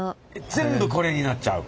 全部これになっちゃう？